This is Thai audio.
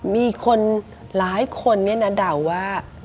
มีคนหลายคนดาวว่า